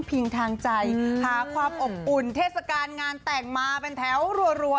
ทางใจหาความอบอุ่นเทศกาลงานแต่งมาเป็นแถวรัว